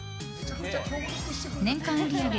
年間売り上げ